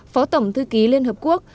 phó tổng thư ký liên hợp quốc